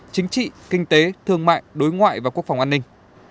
chính trị kinh tế thương mại đối ngoại và quốc phòng an ninh